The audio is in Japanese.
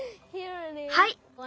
はい。